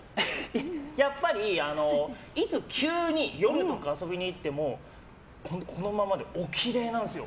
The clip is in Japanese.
やっぱり急に夜とか遊びに行ってもこのままでおきれいなんですよ。